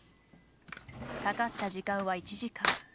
かかった時間は１時間。